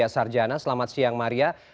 selamat siang maria